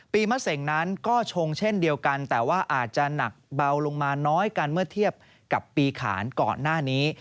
มะเสงนั้นก็ชงเช่นเดียวกันแต่ว่าอาจจะหนักเบาลงมาน้อยกันเมื่อเทียบกับปีขานก่อนหน้านี้